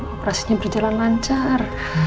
operasinya berjalan lancar